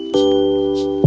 yang buat kamu